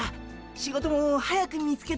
仕事も早く見つけて。